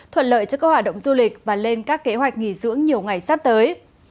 thuận lợi cho các hoạt động du lịch và lên các kế hoạch nghỉ dưỡng nhiều ngày sắp tới